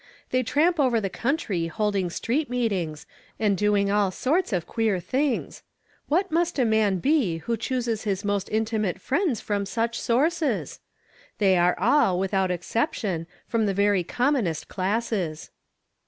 They tramp over the country holding street meet ings, and doing all sorts of queer things. What must a man be who chooses his most intimate friends from such sources ? They are all, without exception, from the very commonest classes."